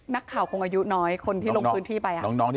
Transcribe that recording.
นักข่าวคงอายุน้อยคนที่ลงพื้นที่ไป